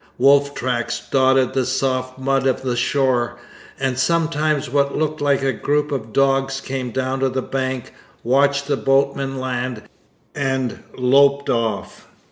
Wolf tracks dotted the soft mud of the shore, and sometimes what looked like a group of dogs came down to the bank, watched the boatmen land, and loped off.